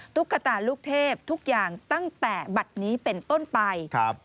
ตุ๊กตาลูกเทพทุกอย่างตั้งแต่บัตรนี้เป็นต้นไปครับ